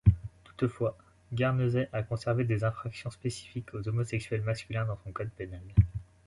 Toutefois, Guernesey a conservé des infractions spécifiques aux homosexuels masculins dans son Code Pénal.